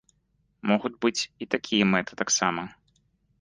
Могуць быць і такія мэты таксама.